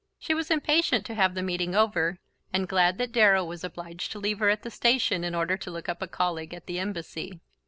She was impatient to have the meeting over, and glad that Darrow was obliged to leave her at the station in order to look up a colleague at the Embassy.